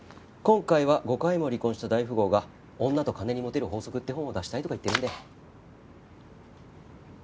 今回は５回も離婚した大富豪が『女と金にモテる法則』って本を出したいとか言ってるんで。